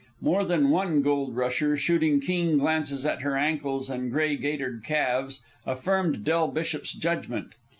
More than one gold rusher, shooting keen glances at her ankles and gray gaitered calves, affirmed Del Bishop's judgment.